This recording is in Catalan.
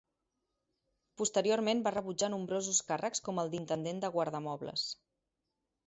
Posteriorment va rebutjar nombrosos càrrecs com el d'intendent de guardamobles.